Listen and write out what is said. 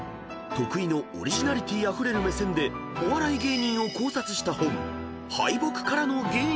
［徳井のオリジナリティーあふれる目線でお笑い芸人を考察した本『敗北からの芸人論』］